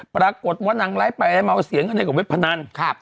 ปรากฏว่านางไลฟ์ไปเมาเสียเงินให้กับเว็บพนัน